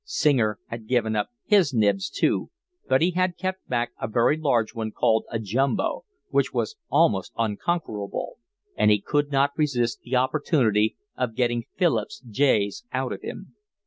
Singer had given up his nibs too, but he had kept back a very large one, called a Jumbo, which was almost unconquerable, and he could not resist the opportunity of getting Philip's Js out of him.